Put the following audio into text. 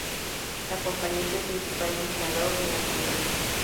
La compañía es el principal empleador de la ciudad.